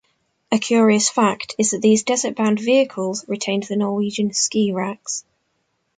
A curious fact is that these desert-bound vehicles retained the Norwegian ski-racks.